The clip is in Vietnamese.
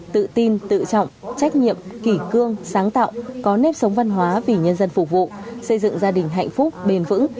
tự tin tự trọng trách nhiệm kỷ cương sáng tạo có nếp sống văn hóa vì nhân dân phục vụ xây dựng gia đình hạnh phúc bền vững